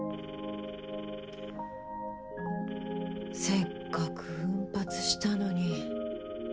せっかく奮発したのに。